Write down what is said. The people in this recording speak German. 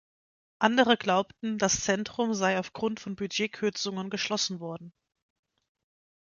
Andere glaubten, das Zentrum sei aufgrund von Budgetkürzungen geschlossen worden.